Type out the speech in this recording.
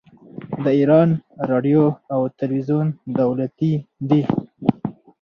د ایران راډیو او تلویزیون دولتي دي.